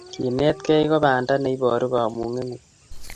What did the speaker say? Kenetkei ko panda neiporu kamugengung